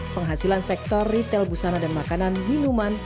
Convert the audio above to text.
penghasilan sektor retail busana dan makanan minuman